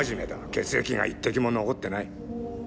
血液が一滴も残ってない。